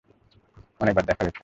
অনেকবার দেখা হয়েছে।